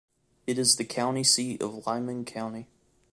It is the county seat of Lyman County.